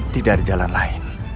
tidak ada jalan lain